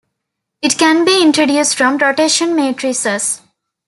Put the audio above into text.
It can be introduced from rotation matrices.